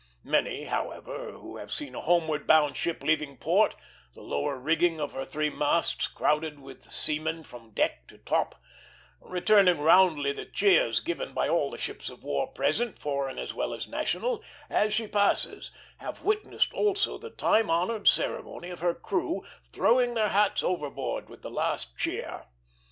Many, however, who have seen a homeward bound ship leaving port, the lower rigging of her three masts crowded with seamen from deck to top, returning roundly the cheers given by all the ships of war present, foreign as well as national, as she passes, have witnessed also the time honored ceremony of her crew throwing their hats overboard with the last cheer.